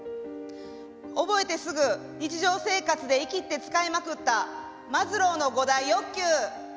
「覚えてすぐ日常生活でイキって使いまくったマズローの５大欲求」。